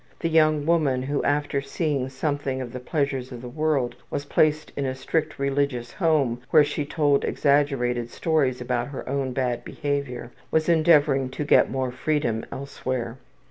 The young woman who after seeing something of the pleasures of the world was placed in a strict religious home where she told exaggerated stories about her own bad behavior, was endeavoring to get more freedom elsewhere.